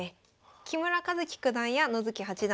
木村一基九段や野月八段